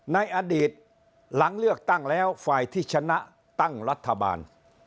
ในอดีตหลังเลือกตั้งแล้วฝ่ายที่ชนะตั้งรัฐบาล